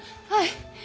はい。